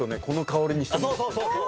この香りにして。